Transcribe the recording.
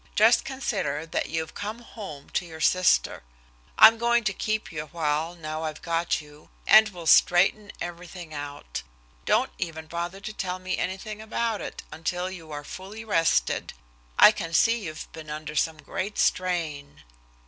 Just consider that you've come home to your sister. I'm going to keep you awhile now I've got you, and we'll straighten everything out. Don't even bother to tell me anything about it until you are fully rested. I can see you've been under some great strain."